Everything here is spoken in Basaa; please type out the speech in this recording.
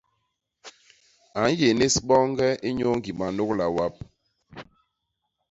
A nyénés boñge inyuu ñgi manôgla wap.